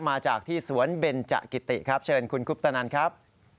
มาจากที่สวนเบนจกิติครับเชิญคุณคุปตนันครับ